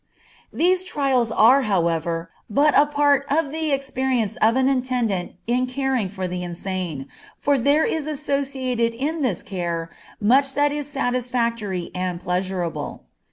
These trials are, however, but a part of the experience of an attendant in caring for the insane, for there is associated in this care much that is satisfactory and pleasurable.